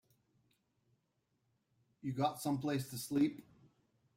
You got someplace to sleep?